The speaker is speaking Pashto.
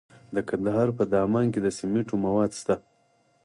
د کندهار په دامان کې د سمنټو مواد شته.